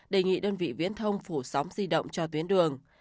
đề nghị đơn vị viễn thông phủ sóng di động cho tuyến đường